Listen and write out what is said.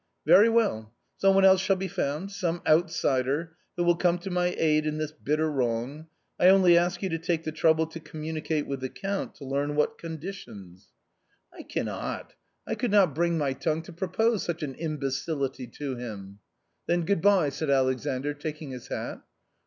" Very well ; some one else shall be found, some outsider, who will come to my aid in this bitter wrong. I only ask you to take the trouble to communicate with the Count to learn what conditions." .y 132 A COMMON STORY " I cannot, I could not bring my tongue to propose such an imbecility to him. ,," Then good bye !" said Alexandr, taking his hat.